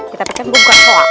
kita pikir gue bukan soang